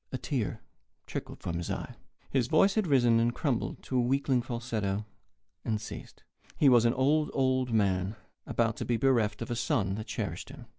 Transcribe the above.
A tear trickled from his eye. His voice had risen, and crumbled to a weakling falsetto, and ceased. He was an old, old man about to be bereft of a son that cherished him.